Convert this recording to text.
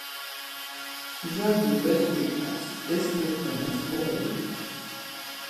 Mja gyubes ibgars, detsi uxenes xolo ibgars.